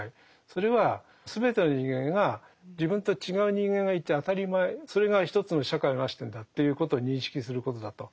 それは全ての人間が自分と違う人間がいて当たり前それが一つの社会を成してんだっていうことを認識することだと。